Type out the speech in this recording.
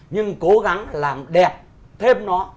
nhưng cố gắng làm đẹp thêm nó